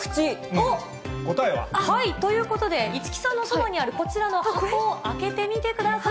おっ！ということで、市來さんのそばにあるこちらの箱を開けてみてください。